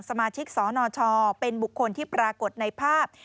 สมาชิกสนชเป็นบุคคลที่ปรากฏในภาพ